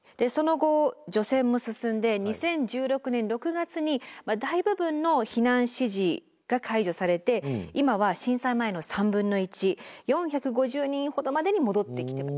その後除染も進んで２０１６年６月に大部分の避難指示が解除されて今は震災前の３分の１４５０人ほどまでに戻ってきているんですね。